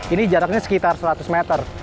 ini jaraknya sekitar seratus meter